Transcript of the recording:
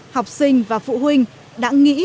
học sinh và phụ huynh đã nghĩ